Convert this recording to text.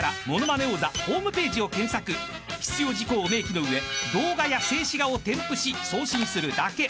［必要事項を明記の上動画や静止画を添付し送信するだけ］